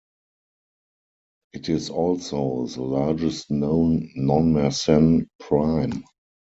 It is also the largest known non-Mersenne prime.